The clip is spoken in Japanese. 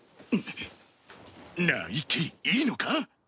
なあ一輝いいのか？